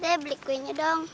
daya beli kuenya dong